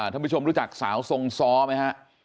ท่านผู้ชมรู้จักสาวทรงซ้อไหมฮะ